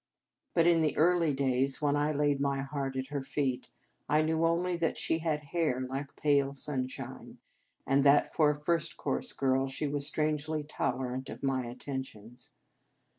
But in the early days when I laid my heart at her feet, I knew only that she had hair like pale sun shine, and that, for a First Cours girl, she was strangely tolerant of my at tentions.